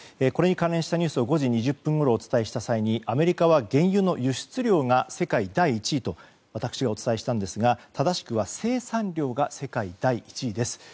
これに関連したニュースを５時２０分ごろお伝えした際にアメリカは原油の輸出量が世界第１位と私がお伝えしたんですが正しくは生産量が世界第１位です。